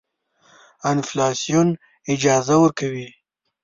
انفلاسیون اجازه ورکوي.